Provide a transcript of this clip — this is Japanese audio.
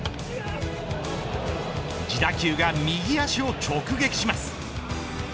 自打球が右足を直撃します。